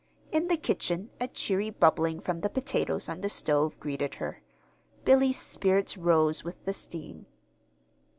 In the kitchen a cheery bubbling from the potatoes on the stove greeted her. Billy's spirits rose with the steam.